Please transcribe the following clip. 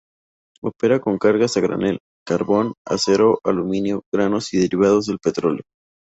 Opera con cargas a granel: carbón, acero, aluminio, granos y derivados del petróleo.